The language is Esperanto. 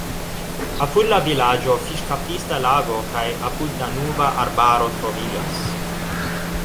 Apud la vilaĝo fiŝkaptista lago kaj apud-Danuba arbaro troviĝas.